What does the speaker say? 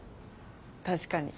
確かに。